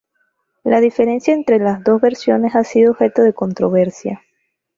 La diferencia entre las dos versiones ha sido objeto de controversia.